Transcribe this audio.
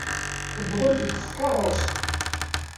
Tewwḍemt-d s tkeṛṛust.